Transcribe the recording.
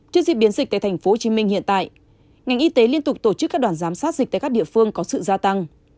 trước diễn biến dịch tại tp hcm hiện tại ngành y tế liên tục tổ chức các đoàn giám sát dịch tại các địa phương có sự gia tăng